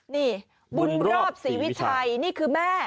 นี่บุญรอบศรีวิชัยนี่คือแม่